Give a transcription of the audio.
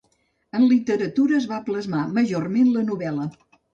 En literatura es va plasmar majorment la novel·la.